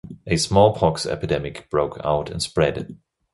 A smallpox epidemic broke out and spread.